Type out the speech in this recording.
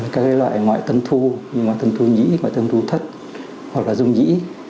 các cái loại ngoại tâm thu như ngoại tâm thu nhĩ ngoại tâm thu thất hoặc là dung nhĩ